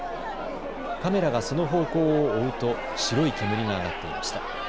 カメラがその方向を追うと白い煙が上がっていました。